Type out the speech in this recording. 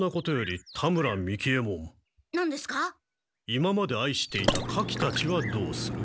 今まで愛していた火器たちはどうする？